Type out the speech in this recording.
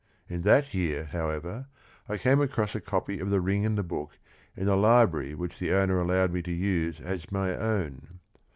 In that year, however, I came across a copy of The Ring and the Book in a library which the owner allowed me to use as my own.